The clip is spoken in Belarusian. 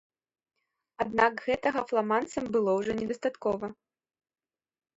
Аднак гэтага фламандцам было ўжо не дастаткова.